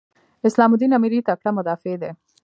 اسلام الدین امیري تکړه مدافع دی.